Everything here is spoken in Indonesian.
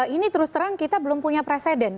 ini terus terang kita belum punya presiden